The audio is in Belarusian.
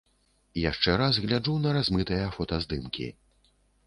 Яшчэ раз гляджу на размытыя фотаздымкі.